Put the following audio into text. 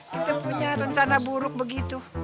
kita punya rencana buruk begitu